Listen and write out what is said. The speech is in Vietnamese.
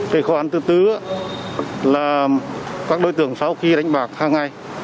cái khóa thứ bốn là các đối tượng pháo khi đánh bạc hàng ngày